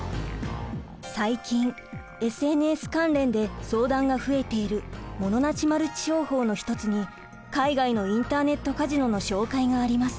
最近ＳＮＳ関連で相談が増えているモノなしマルチ商法の一つに海外のインターネットカジノの紹介があります。